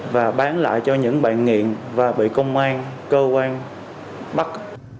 và bán lại cho những bạn nghiện và bị công an cơ quan bắt